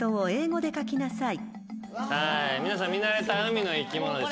皆さん見慣れた海の生き物ですね。